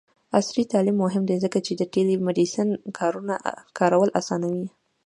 عصري تعلیم مهم دی ځکه چې د ټیلی میډیسین کارول اسانوي.